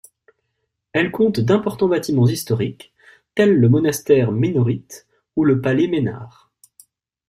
Elle compte d'importants bâtiments historiques tels que le monastère Minorite ou le palais Menhart.